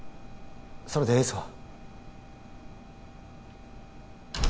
それでエースは？